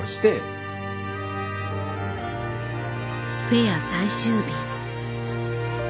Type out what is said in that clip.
フェア最終日。